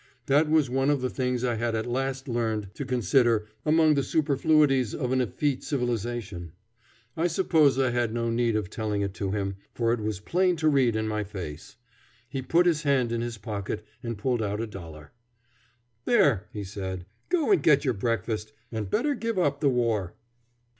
That was one of the things I had at last learned to consider among the superfluities of an effete civilization. I suppose I had no need of telling it to him, for it was plain to read in my face. He put his hand in his pocket and pulled out a dollar. "There," he said, "go and get your breakfast; and better give up the war."